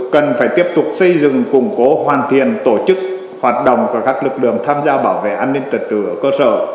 cần phải tiếp tục xây dựng củng cố hoàn thiện tổ chức hoạt động của các lực lượng tham gia bảo vệ an ninh trật tự ở cơ sở